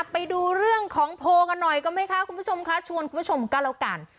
ไปดูเรื่องของโพลกันหน่อยก็ไหมคะคุณผู้ชมคะชวนคุณผู้ชมก็แล้วกัน